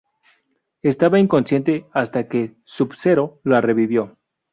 Estaba inconsciente hasta que Sub-Zero la revivió.